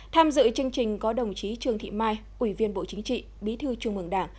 tham dự chương trình có đồng chí trương thị mai ủy viên bộ chính trị bí thư trung ương đảng